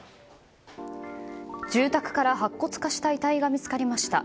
住宅から白骨化した遺体が見つかりました。